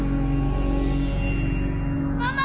ママ！